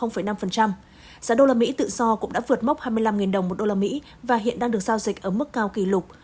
giá usd tự do cũng đã vượt mốc hai mươi năm đồng một usd và hiện đang được giao dịch ở mức cao kỷ lục